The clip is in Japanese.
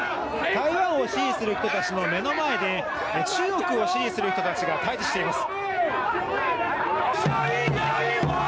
台湾を支持する人たちの目の前で中国を支持する人たちが対峙しています。